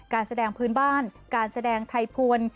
การแสดงพื้นบ้านการแสดงไทยพวน